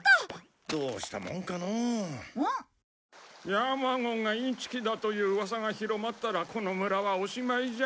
ヤマゴンがインチキだといううわさが広まったらこの村はおしまいじゃ。